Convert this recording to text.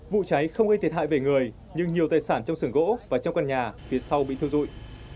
vụ cháy không gây thiệt hại về người nhưng nhiều tài sản trong xưởng gỗ và trong căn nhà phía sau bị thiêu dụi